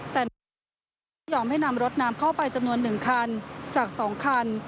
แต่นังน้ำรถน้ำเข้าไปจำนวน๑คันจาก๒คัน